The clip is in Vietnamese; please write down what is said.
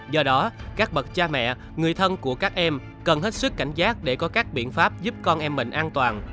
do đó các bậc cha mẹ người thân của các em cần hết sức cảnh giác để có các biện pháp giúp con em mình an toàn